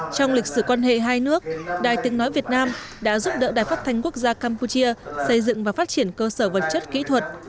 trong lịch sử quan hệ hai nước đài tiếng nói việt nam đã giúp đỡ đài phát thanh quốc gia campuchia xây dựng và phát triển cơ sở vật chất kỹ thuật